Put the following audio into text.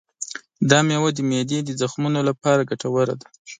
دا مېوه د معدې د زخمونو لپاره ګټوره ده.